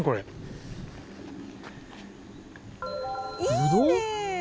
ぶどう？